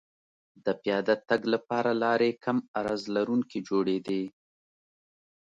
د پیاده تګ لپاره لارې کم عرض لرونکې جوړېدې